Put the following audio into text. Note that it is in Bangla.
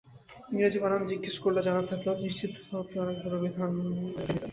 ইংরেজি বানান জিজ্ঞেস করলে জানা থাকলেও নিশ্চিত হতে আরেকবার অভিধান দেখে নিতেন।